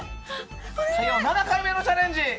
７回目のチャレンジ！